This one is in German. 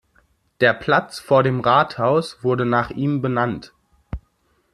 Der Platz vor dem Rathaus wurde nach ihm benannt.